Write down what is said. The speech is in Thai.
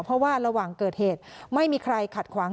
เพราะว่าระหว่างเกิดเหตุไม่มีใครขัดขวาง